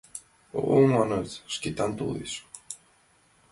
— О, — маныт, — Шкетан толеш!